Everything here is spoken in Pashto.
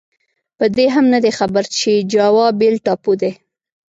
په دې هم نه دی خبر چې جاوا بېل ټاپو دی.